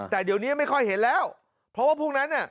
แต่เดี๋ยวนี้ไม่ค่อยเห็นแล้วเพราะว่าพวกนั้นน่ะ